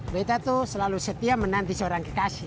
betel tuh selalu setia menanti seorang kekasih